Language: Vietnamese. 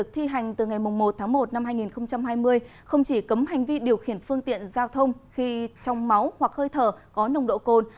một tháng một năm hai nghìn hai mươi không chỉ cấm hành vi điều khiển phương tiện giao thông khi trong máu hoặc hơi thở có nồng độ cồn